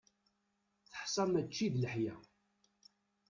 Teḥsa mačči d leḥya.